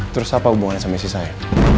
terus apa hubungannya sama si saya